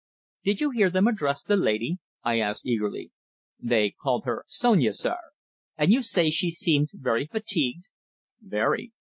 "Did you hear them address the lady?" I asked eagerly. "They called her Sonia, sir." "And you say she seemed very fatigued?" "Very.